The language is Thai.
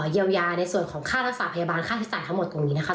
เยียวยาในส่วนของค่ารักษาพยาบาลค่าใช้จ่ายทั้งหมดตรงนี้นะคะ